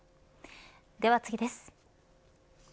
では次です。